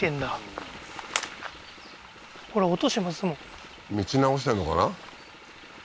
あっ道直してんのかな？